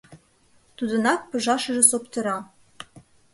Тудынак пыжашыже соптыра.